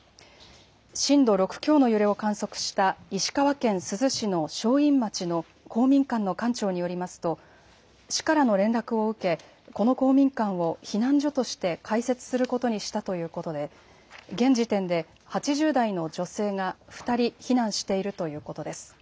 震度６強の揺れを観測した石川県珠洲市の正院町の公民館の館長によりますと、市からの連絡を受け、この公民館を避難所として開設することにしたということで、現時点で８０代の女性が２人避難しているということです。